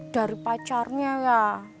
dari pacarnya ya